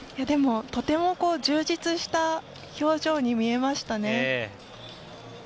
でも、とても充実した表情に見えましたね。